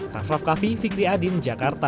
rafraf kavi fikri adin jakarta